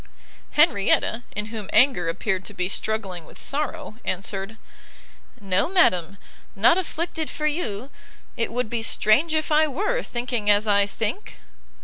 Henrietta, in whom anger appeared to be struggling with sorrow, answered, "No, madam, not afflicted for you! it would be strange if I were, thinking as I think!"